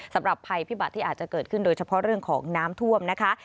สำหรับภัยพิบัติที่อาจจะเกิดขึ้นโดยเฉพาะเรื่องของน้ำท่วมนะคะ